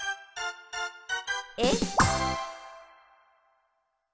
えっ？